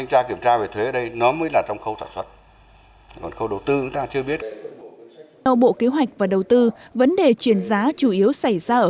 theo bộ kế hoạch và đầu tư vấn đề chuyển giá chủ yếu xảy ra ở